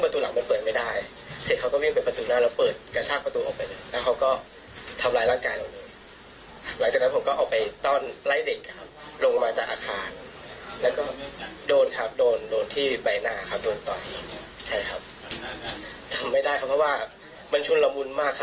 ทำไม่ได้ครับเพราะว่ามันชุนละมุนมากค่ะ